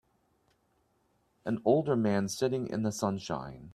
An older man sitting in the sunshine.